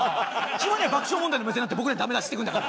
しまいには爆笑問題の目線になって僕らにダメ出ししてくるんだから。